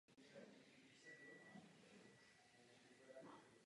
Minerály z této lokality jsou zastoupeny v řadě muzeí.